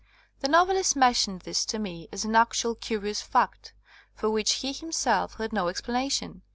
The novelist mentioned this to me as an actual curious fact, for which he, him self, had no explanation.